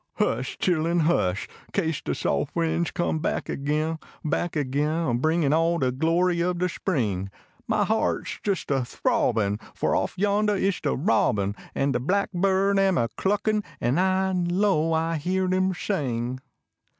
Hush ! chilluu, hush ! Kase de sof \viuds come back agin, Back agin, a bringin all de glory ob de spring ; Mv heart s jes a throbbin For off yondah is de robin. An de blackbird am a cluckin An I low I heenl iui sing.